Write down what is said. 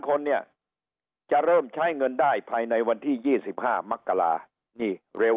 คนเนี่ยจะเริ่มใช้เงินได้ภายในวันที่๒๕มกรานี่เร็ว